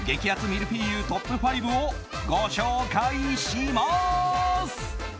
ミルフィーユトップ５をご紹介します。